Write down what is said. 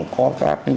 có kháng sinh